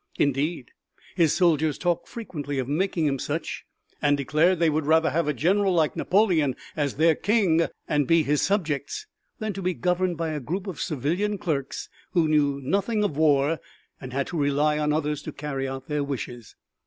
Indeed his soldiers talked frequently of making him such and declared that they would rather have a general like Napoleon as their king and be his subjects, than to be governed by a group of civilian clerks who knew nothing of war and had to rely on others to carry out their wishes.